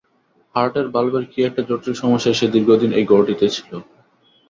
হার্টের ভাল্বের কী একটা জটিল সমস্যায় সে দীর্ঘদিন এই ঘরটিতে ছিল।